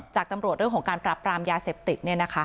จากตำรวจเรื่องของการปรับปรามยาเสพติด